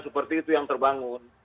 seperti itu yang terbangun